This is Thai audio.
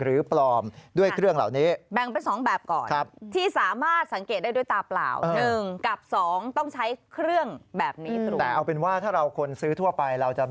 เอาเครื่องนี้มาด้วยบอกว่า